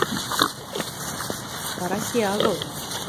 Караси агыл.